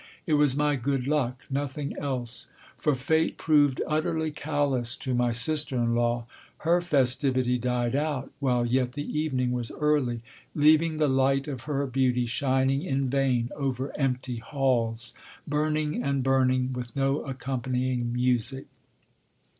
It was my good luck, nothing else. For fate proved utterly callous to my sister in law. Her festivity died out, while yet the evening was early, leaving the light of her beauty shining in vain over empty halls burning and burning, with no accompanying music!